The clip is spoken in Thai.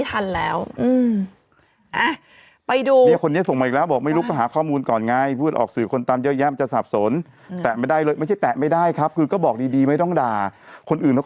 แต่สมัยเราเด็กมีเนอะหลุ่นน้อ